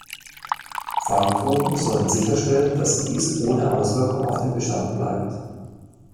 Fangquoten sollen sicherstellen, dass dies ohne Auswirkungen auf den Bestand bleibt.